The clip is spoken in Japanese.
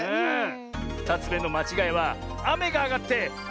２つめのまちがいはあめがあがってあおぞらになってる！